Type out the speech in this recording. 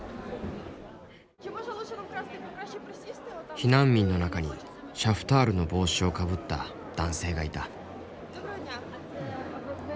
避難民の中にシャフタールの帽子をかぶった男性がいた。